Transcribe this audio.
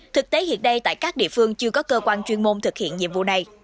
thực tế hiện nay tại các địa phương chưa có cơ quan chuyên môn thực hiện nhiệm vụ này